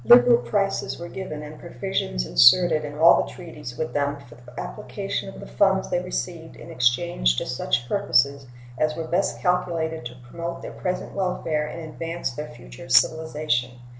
Liberal prices were given and provisions inserted in all the treaties with them for the application of the funds they received in exchange to such purposes as were best calculated to promote their present welfare and advance their future civilization.